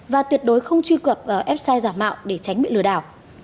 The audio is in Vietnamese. và tuyệt đối không truy cập vào website giả mạo để tránh bị lừa đảo